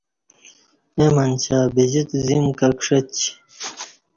اے منچیہ بجیت زیمہ کہ کݜہ چی